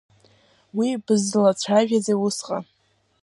Уи бызлыцәшәазеи усҟан.